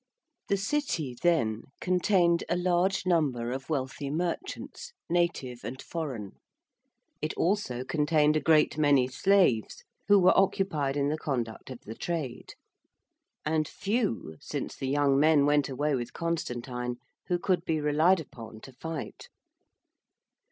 The City, then, contained a large number of wealthy merchants, native and foreign; it also contained a great many slaves who were occupied in the conduct of the trade, and few, since the young men went away with Constantine, who could be relied upon to fight.